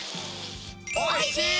おいしい！